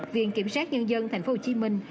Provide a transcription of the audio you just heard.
viện kiểm sát nhân dân thành phố hồ chí minh